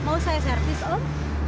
mau saya servis om